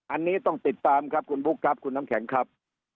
อันนี้ต้องติดตามครับคุณบุ๊คครับคุณน้ำแข็งครับ